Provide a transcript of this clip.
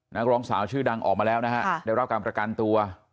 นักร้องสาวชื่อดังออกมาแล้วนะฮะได้รับการประกันตัว